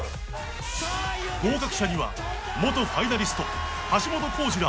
合格者には元ファイナリスト橋本亘司ら